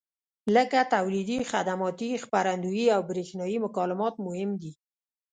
لکه تولیدي، خدماتي، خپرندویي او برېښنایي مکالمات مهم دي.